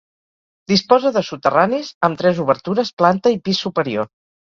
Disposa de soterranis, amb tres obertures, planta i pis superior.